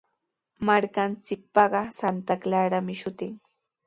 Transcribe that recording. Markanchikpaqa Santa Clarami shutin.